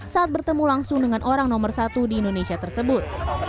saat bertemu langsung dengan orang nomor satu di indonesia tersebut